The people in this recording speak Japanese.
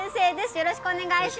よろしくお願いします